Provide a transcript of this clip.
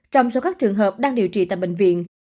trong số các trường hợp đang điều trị tại bệnh viện